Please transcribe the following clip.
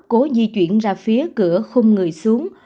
cố di chuyển ra phía cửa khung người xuống